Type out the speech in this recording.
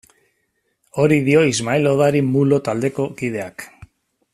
Hori dio Ismael Odari Mulo taldeko kideak.